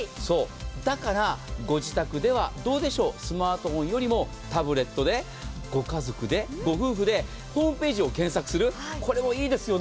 ご自宅ではどうでしょう、スマートフォンよりもタブレットでご家族で、ご夫婦で、ホームページを検索するのもいいですよね。